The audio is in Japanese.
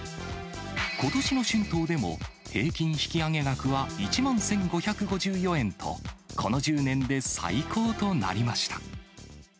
ことしの春闘でも、平均引き上げ額は１万１５５４円と、この１０年で最高となりました。